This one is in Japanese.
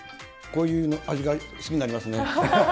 こういう味が好きになります